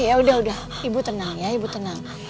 ya udah udah ibu tenang ya ibu tenang